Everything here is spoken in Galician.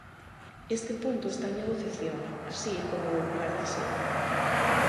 Este punto está en negociación, así como o lugar da sede.